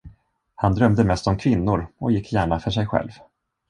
Han drömde mest om kvinnor och gick gärna för sig själv.